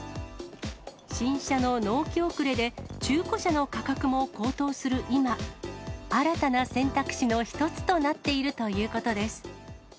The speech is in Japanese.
新車の納期遅れで中古車の価格も高騰する今、新たな選択肢の一つとなっているということです。